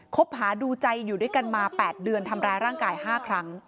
คบหาดูใจอยู่ด้วยกันมา๘เดือนทำร้ายร่างกาย๕ครั้ง